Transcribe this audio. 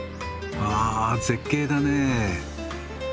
あ絶景だね。